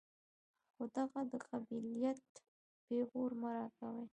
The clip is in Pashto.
خو دغه د قبيلت پېغور مه راکوئ.